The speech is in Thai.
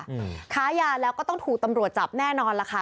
อืมค้ายาแล้วก็ต้องถูกตำรวจจับแน่นอนล่ะค่ะ